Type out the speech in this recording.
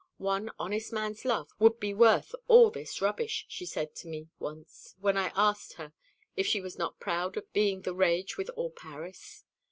One honest man's love would be worth all this rubbish, she said to me once, when I asked her if she was not proud of being the rage with all Paris.